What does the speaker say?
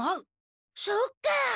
そっか。